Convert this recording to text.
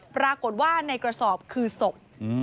ปรากฏว่าในกระสอบคือศพ